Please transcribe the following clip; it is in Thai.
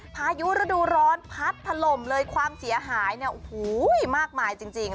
พายุฤดูร้อนพัดถล่มเลยความเสียหายเนี่ยโอ้โหมากมายจริง